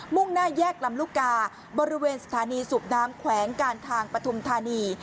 ่งหน้าแยกลำลูกกาบริเวณสถานีสูบน้ำแขวงการทางปฐุมธานี